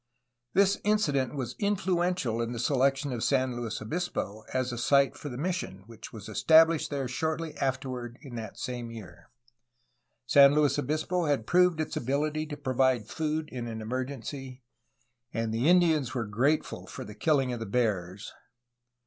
This incident was influential in the selection of San Luis Obispo as a site for the mission which was established there shortly afterward in that same year; San Luis Obispo had proved its abiUty to provide food in an emergency, and the Indians were grateful for the kill ing of the bears.